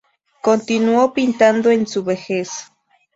Continuó pintando en su vejez.